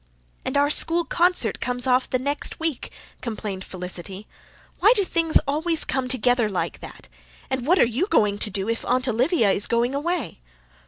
"And our school concert comes off the next week," complained Felicity. "Why do things always come together like that? And what are you going to do if Aunt Olivia is going away?"